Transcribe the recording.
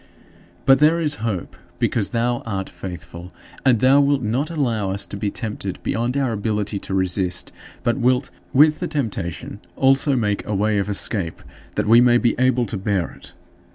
But there is hope, because thou art faithful and thou wilt not allow us to be tempted beyond our ability to resist, but wilt with the temptation also make a way of escape that we may be able to bear it.